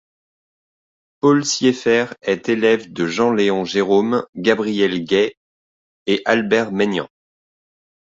Paul Sieffert est élève de Jean-Léon Gérôme, Gabriel Guay et Albert Maignan.